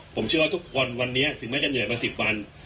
ผมเชื่อว่าทุกวันวันนี้ถึงแม้จะเหนื่อยมา๑๐วัน